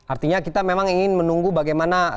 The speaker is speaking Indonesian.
artinya kita memang ingin menunggu bagaimana